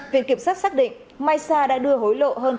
viện kiểm sát xác định mai sa đã đưa hối lộ hơn